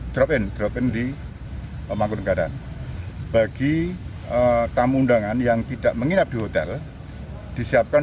drop in drop in di pemangkunegaran bagi tamu undangan yang tidak menginap di hotel disiapkan